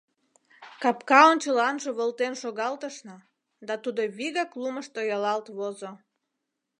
Капка ончыланже волтен шогалтышна, да тудо вигак лумыш тоялалт возо.